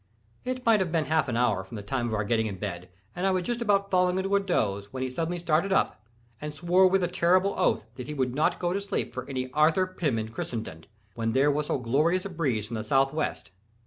It might have been half an hour from the time of our getting in bed, and I was just about falling into a doze, when he suddenly started up, and swore with a terrible oath that he would not go to sleep for any Arthur Pym in Christendom, when there was so glorious a breeze from the southwest.